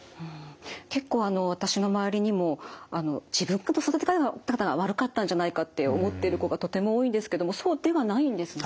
結構私の周りにも自分の育て方が悪かったんじゃないかと思ってる子がとても多いんですけれどもそうではないんですね。